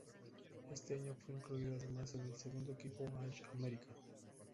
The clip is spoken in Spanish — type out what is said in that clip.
Ese año fue incluido además en el segundo equipo All-American.